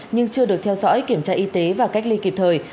nhưng chưa được theo dõi kiểm tra y tế và cách ly kịp thời